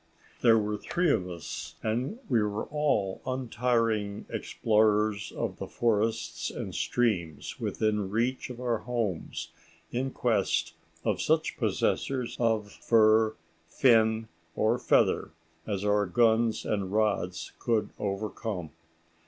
"* There were three of us, and we were all untiring explorers of the forests and streams within reach of our homes in quest of such possessors of fur, fin, or feather as our guns and rods could overcome.